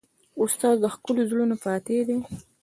استاد د خلکو د زړونو فاتح دی.